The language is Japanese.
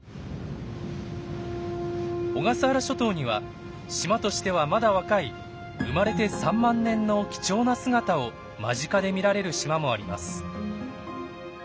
小笠原諸島には島としてはまだ若い生まれて３万年の貴重な姿を間近で見られる島もあります。